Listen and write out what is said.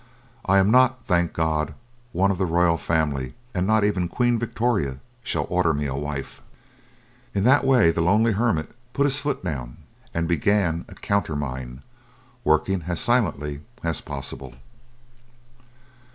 I am not, thank God, one of the royal family, and not even Queen Victoria shall order me a wife." In that way the lonely hermit put his foot down and began a countermine, working as silently as possible.